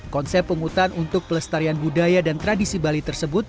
konsep penghutan untuk pelestarian budaya dan tradisi bali tersebut